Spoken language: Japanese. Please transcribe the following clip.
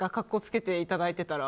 格好つけていただいてたら。